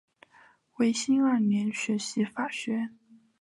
维新二年学习法学。